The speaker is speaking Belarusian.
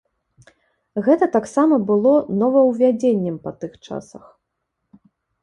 Гэта таксама было новаўвядзеннем па тых часах.